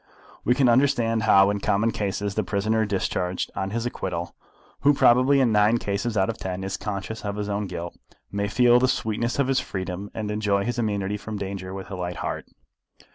We can understand how in common cases the prisoner discharged on his acquittal, who probably in nine cases out of ten is conscious of his own guilt, may feel the sweetness of his freedom and enjoy his immunity from danger with a light heart.